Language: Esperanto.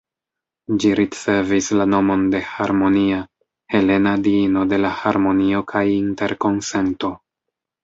Ĝi ricevis la nomon de Harmonia, helena diino de la harmonio kaj interkonsento.